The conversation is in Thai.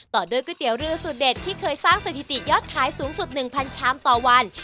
ต่อด้วยก๋วยเตี๋ยวเรือสูตรเด็ดที่เคยสร้างสถิติยอดขายสูงสุด๑๐๐ชามต่อวัน